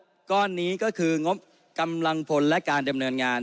ก้อนนี้ก็คืองบกำลังพลและการดำเนินงาน